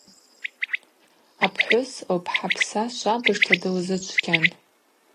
Апхӏвыс лпхӏапса швабыжта дылзычвгьан.